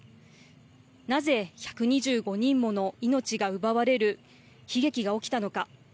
なぜ、１２５人もの命が奪われる悲劇が起きたのか。